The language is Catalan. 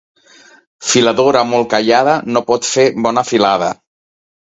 Filadora molt callada no pot fer bona filada.